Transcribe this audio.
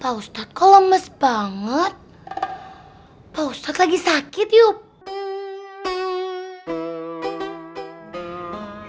pak ustadz kok lemes banget pak ustadz lagi sakit yuk